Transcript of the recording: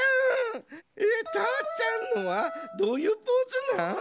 たーちゃんのはどういうポーズなん？